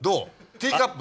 ティーカップ。